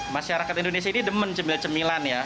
masyarakat indonesia ini demen camilan camilan ya